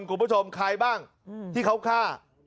คุณผู้ชมใครบ้างที่เขาฆ่า